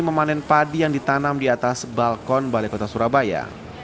memanen padi yang ditanam di atas balkon balai kota surabaya